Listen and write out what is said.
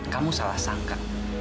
kamu salah sangka